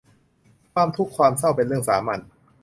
ความทุกข์ความเศร้าเป็นเรื่องสามัญ